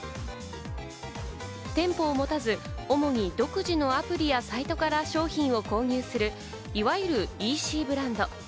店舗を持たず、主に独自のアプリやサイトから商品を購入する、いわゆるＥＣブランド。